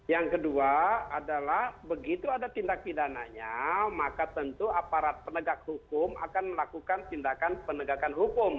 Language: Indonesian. yang kedua adalah begitu ada tindak pidananya maka tentu aparat penegak hukum akan melakukan tindakan penegakan hukum